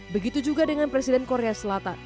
begitu juga dengan presiden korea selatan moon jae in